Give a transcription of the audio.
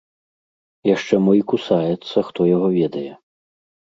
Яшчэ мо і кусаецца, хто яго ведае.